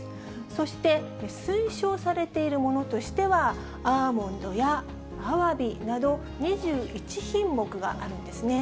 そして推奨されているものとしては、アーモンドやあわびなど、２１品目があるんですね。